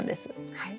はい。